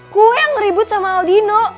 gue yang ngeribut sama aldino